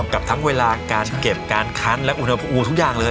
กับทั้งเวลาการเก็บการคั้นและอุณหภูมิทุกอย่างเลย